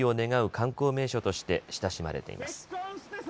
観光名所として親しまれています。